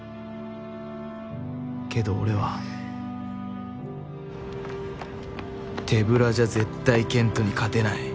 けど俺は手ぶらじゃ絶対健斗に勝てない。